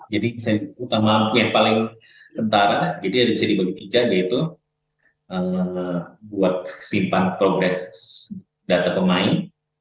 jadi utama yang paling tentara jadi bisa dibagi tiga yaitu buat simpan progres data pemain